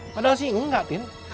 padahal sih enggak tin